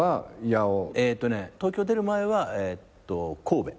えっとね東京出る前は神戸。